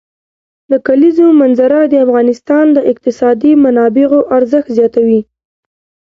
د کلیزو منظره د افغانستان د اقتصادي منابعو ارزښت زیاتوي.